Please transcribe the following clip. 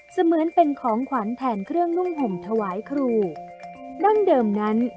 เหมือนเป็นของขวัญแทนเครื่องนุ่งห่มถวายครูดั้งเดิมนั้น